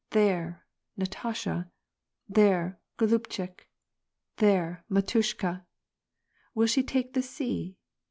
There, Natasha there goluhchik / there mdtushka / Will she take that si ?